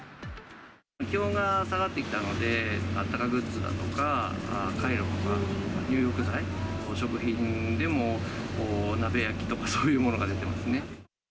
気温が下がってきたので、あったかグッズだとか、カイロとか入浴剤、食品でも鍋焼きとか、そういうものが出てますね。